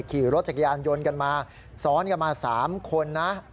ขี่รถจักรยานยนต์กันมาซ้อนกันมา๓คนนะ